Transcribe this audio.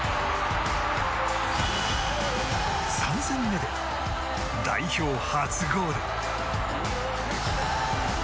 ３戦目で代表初ゴール。